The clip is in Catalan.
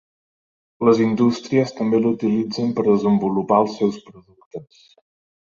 Les indústries també l'utilitzen per desenvolupar els seus productes.